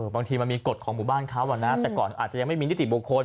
บางทีมันมีกฎของหมู่บ้านเขาแต่ก่อนอาจจะยังไม่มีนิติบุคคล